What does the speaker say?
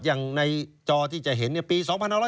อย่างในจอที่จะเห็นปี๒๑๔๗๑๓๐๐๐